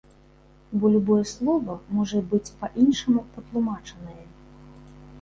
Бо любое слова можа быць па-іншаму патлумачанае.